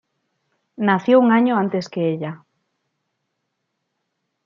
Nació un año antes que ella.